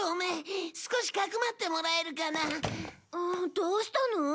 どうしたの？